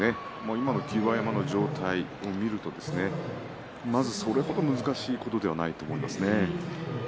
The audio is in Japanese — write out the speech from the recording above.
今の霧馬山の状態を見るとまず、それ程難しいことではないと思いますね。